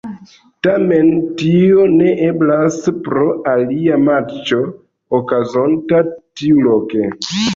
Tamen tio ne eblas pro alia matĉo okazonta tiuloke.